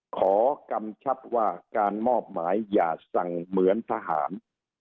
กำชับว่าการมอบหมายอย่าสั่งเหมือนทหาร